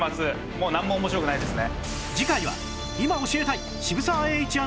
もうなんも面白くないですね。